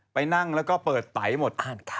ไปนั่งแล้วก็เปิดไตหมด